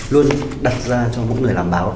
luôn đặt ra cho mỗi người làm báo